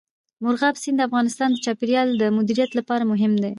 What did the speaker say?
مورغاب سیند د افغانستان د چاپیریال د مدیریت لپاره مهم دی.